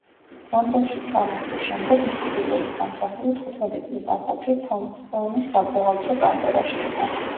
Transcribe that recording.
ლონდონში ჩამოსვლის შემდეგ მისი პირველი სამსახური თხუთმეტი წლის ასაკში თომპსონის საბუღალტრო კანტორაში იყო.